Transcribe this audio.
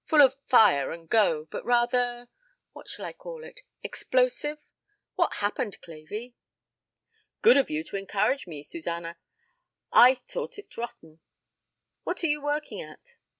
Full of fire and go, but rather what shall I call it explosive? What's happened, Clavey?" "Good of you to encourage me, Suzanna. I'd thought it rotten. What are you working at?"